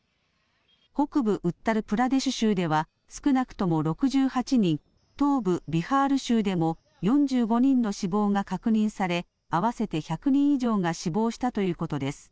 北部ウッタルプラデシュ州では少なくとも６８人、東部ビハール州でも４５人の死亡が確認され合わせて１００人以上が死亡したということです。